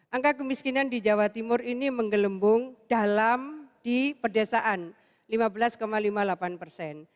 angka kemiskinan di jawa timur ini menggelembung dalam di pedesaan lima belas lima puluh delapan persen